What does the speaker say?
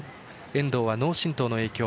遠藤は脳しんとうの影響。